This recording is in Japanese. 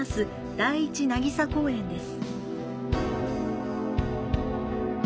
第１なぎさ公園です。